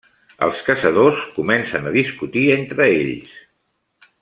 Els caçadors comencen a discutir entre ells.